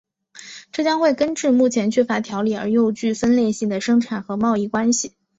这将会根治目前缺乏条理而又具分裂性的生产和贸易关系。